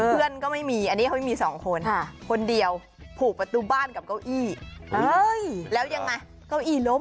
เพื่อนก็ไม่มีมี๒คนคนเดียวผู่่ประตูบ้านกับเก้าอี้